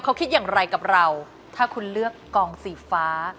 เขาคิดอย่างไรกับเราถ้าคุณเลือกกองสีฟ้า